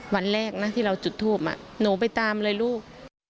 วันแรกนะที่เราจุดทูปหนูไปตามเลยลูก